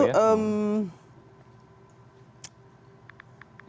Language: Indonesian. boleh bu ya